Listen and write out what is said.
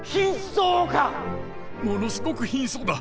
「ものすごく貧相だ！」。